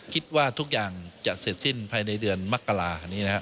คิดว่าทุกอย่างจะเสร็จสิ้นภายในเดือนมักกะลา